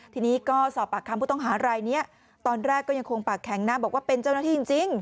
ทีนี้ก็สอบปากคำผู้ต้องหารายนี้ตอนแรกก็ยังคงปากแข็งนะบอกว่าเป็นเจ้าหน้าที่จริง